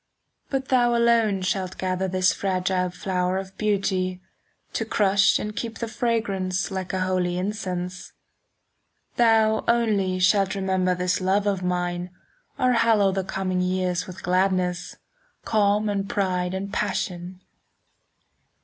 But thou alone shalt gather 5 This fragile flower of beauty,— To crush and keep the fragrance Like a holy incense. Thou only shalt remember This love of mine, or hallow 10 The coming years with gladness, Calm and pride and passion.